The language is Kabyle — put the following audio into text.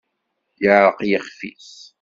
Yeɛreq yixf-is.